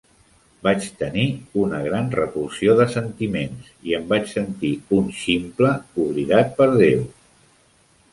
Vaig tenir una gran repulsió de sentiments, i em vaig sentir un ximple oblidat per Déu.